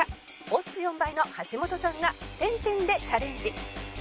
オッズ４倍の橋本さんが１０００点でチャレンジ